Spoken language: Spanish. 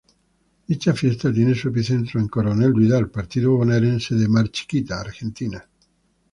Dicha Fiesta tiene su epicentro en Coronel Vidal, partido bonaerense de Mar Chiquita, Argentina.